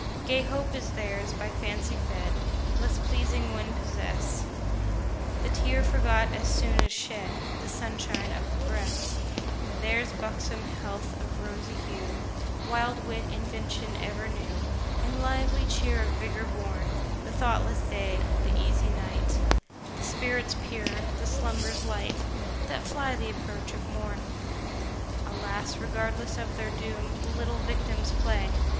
Gay hope is theirs by fancy fed, Less pleasing when possest; The tear forgot as soon as shed, The sunshine of the breast: Theirs buxom health of rosy hue, Wild wit, invention ever new, And lively cheer of vigour born; The thoughtless day, the easy night, The spirits pure, the slumbers light, That fly th' approach of morn. Alas, regardless of their doom, The little victims play!